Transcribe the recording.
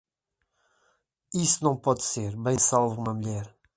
Isso não pode ser, bem salve uma mulher.